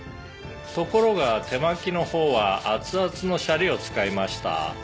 「ところが手巻きの方は熱々のシャリを使いました」